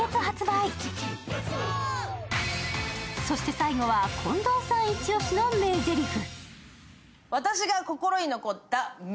そして最後は、近藤さんイチオシの名ぜりふ。